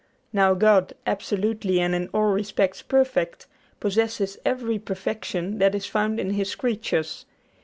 Now God, absolutely and in all respects perfect, possesses every perfection that is found in His creatures.